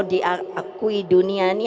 diakui dunia ini